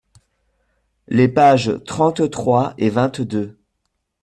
Les pages trente-trois et vingt-deux.